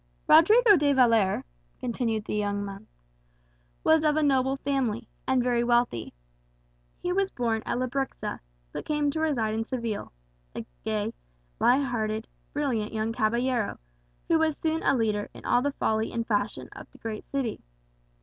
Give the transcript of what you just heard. "Don Rodrigo de Valer," continued the young monk, "was of a noble family, and very wealthy. He was born at Lebrixa, but came to reside in Seville, a gay, light hearted, brilliant young caballero, who was soon a leader in all the folly and fashion of the great city.